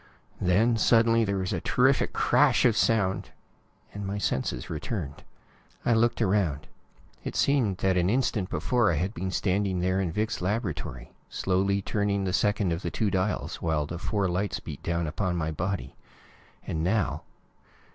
Then, suddenly, there was a terrific crash of sound, and my senses returned. I looked around. It seemed that an instant before I had been standing there in Vic's laboratory, slowly turning the second of the two dials, while the four lights beat down upon my body. And now